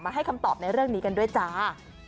ให้คำตอบในเรื่องนี้กันด้วยจ้า